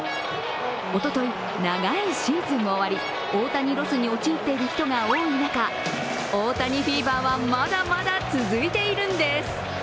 おととい長いシーズンも終わり、大谷ロスに陥っている人が多い中大谷フィーバーはまだまだ続いているんです。